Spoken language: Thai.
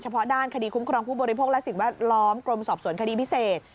เพราะด้านคดีคุ้มครองผู้บริโภคและสิ่งแวดล้อมกรมสอบสวนคดีพิเศษ